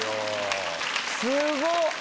すごっ！